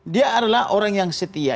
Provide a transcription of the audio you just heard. dia adalah orang yang setia